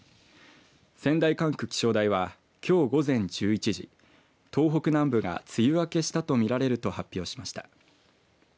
仙台管区気象台はきょう午前１１時東北南部が梅雨明けしたと見られると発表しました。